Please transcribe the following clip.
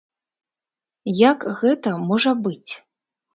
Як гэта можа быць?